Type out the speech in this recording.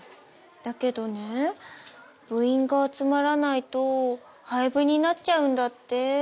だけどね部員が集まらないと廃部になっちゃうんだって。